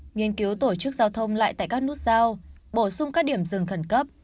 nghiên cứu tổ chức giao thông lại tại các nút sao bổ sung các điểm dừng khẩn cấp